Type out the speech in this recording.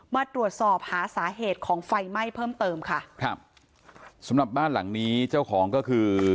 มาตรวจสอบหาสาเหตุของไฟไหม้เพิ่มเติมค่ะครับสำหรับบ้านหลังนี้เจ้าของก็คือ